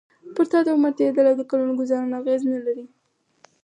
پر تا د عمر تېرېدل او د کلونو ګوزارونه اغېز نه لري.